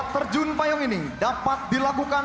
terjun payung ini dapat dilakukan